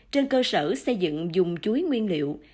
trên cơ sở xây dựng dùng chuối nguyên liệu